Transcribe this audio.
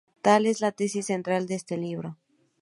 Tal es la tesis central de este libro.